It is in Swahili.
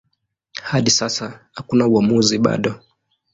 Hadi sasa hakuna uamuzi bado.